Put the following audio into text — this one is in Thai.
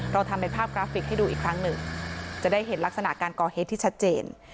เราทำเป็นภาพกราฟิกให้ดูอีกครั้งหนึ่งจะได้เห็นลักษณะการก่อเหตุที่ชัดเจน